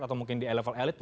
atau mungkin di level elit